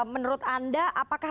menurut anda apakah